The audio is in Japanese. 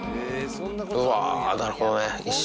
うわー、なるほどね。